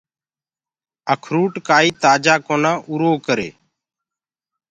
اکروُٽ ڪآئي تآجآ ڪونآ اُرو ڪري۔